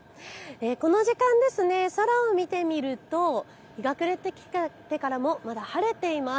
この時間、空を見てみると日が暮れてきてからもまだ晴れています。